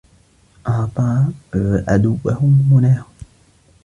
أَعْطَى عَدُوَّهُ مُنَاهُ